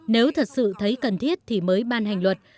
nếu thật sự thấy cần thiết thì mới ban hành luật